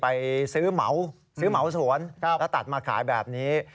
ไปซื้อเหมาซื้อเหมาสวนแล้วตัดมาขายแบบนี้